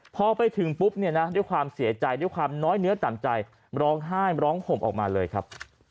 พอไปถึงปุ๊บเนี่ยนะด้วยความเสียใจด้วยความน้อยเนื้อต่ำใจร้องไห้ร้องห่มออกมาเลยครับ